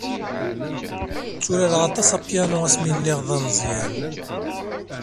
Tturareɣ aṭas apyanu asmi lliɣ d ameẓẓyan.